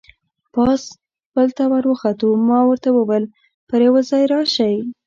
پاس پل ته ور وخوتو، ما ورته وویل: پر یوه ځای راشئ.